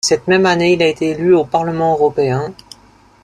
Cette même année, il a été élu au Parlement européen.